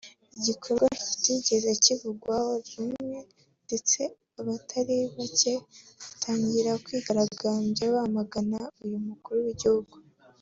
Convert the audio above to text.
igikorwa kitigeze kivugwaho rumwe ndetse abatari bake batangira kwigaragarambya bamagana uyu Mukuru w’Igihugu